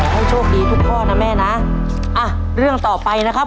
ให้โชคดีทุกข้อนะแม่นะอ่ะเรื่องต่อไปนะครับ